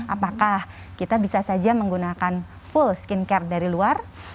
apakah kita bisa saja menggunakan full skincare dari luar